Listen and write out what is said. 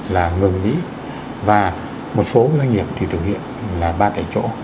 là ngừng nghỉ và một số doanh nghiệp thì thực hiện là ba thể chỗ